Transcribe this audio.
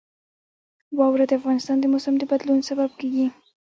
واوره د افغانستان د موسم د بدلون سبب کېږي.